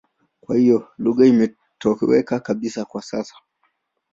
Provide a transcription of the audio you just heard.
Kwa hiyo lugha imetoweka kabisa kwa sasa.